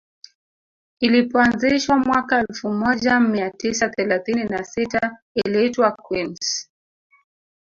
Ilipoanzishwa mwaka elfu moja mia tisa thelathini na sita iliitwa Queens